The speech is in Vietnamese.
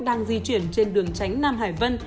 đang di chuyển trên đường tránh nam hải vân